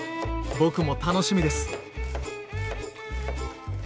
僕も楽しみです！